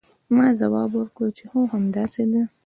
ما ځواب ورکړ چې هو همداسې ده.